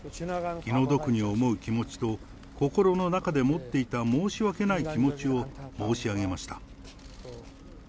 気の毒に思う気持ちと、心の中で持っていた申し訳ない気持ちを申し上げました。